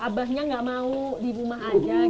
abah tidak mau ke rumah